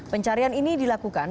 pencarian ini dilakukan